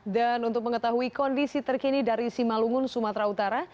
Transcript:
dan untuk mengetahui kondisi terkini dari simalungun sumatera utara